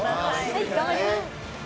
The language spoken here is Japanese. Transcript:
はい頑張ります。